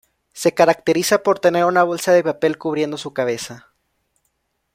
Se caracteriza por tener una bolsa de papel cubriendo su cabeza.